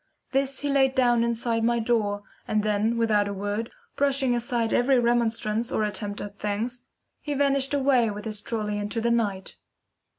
This he laid down inside my door, and then without a word, brushing aside every remonstrance or attempt at thanks, he vanished away with his trolly into the night.